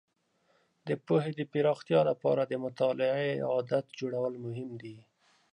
د پوهې د پراختیا لپاره د مطالعې عادت جوړول مهم دي.